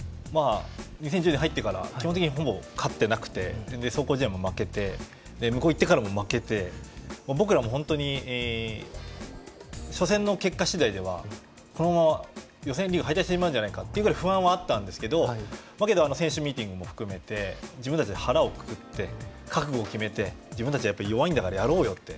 ２０１０年に入ってから基本的にほぼ勝っていなくて壮行試合も負けて向こうに行ってからも負けて僕らも本当に初戦の結果次第ではこのまま予選リーグで敗退するのではという不安はあったんですけど選手ミーティングも含めて自分たちで腹をくくって覚悟を決めて自分たちは弱いんだからやろうよって。